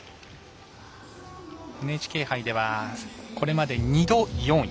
ＮＨＫ杯ではこれまで２度、４位。